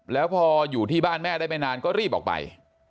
แล้วพออยู่ที่บ้านแม่ได้ไม่นานก็รีบออกไป